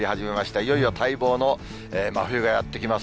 いよいよ待望の真冬がやって来ます。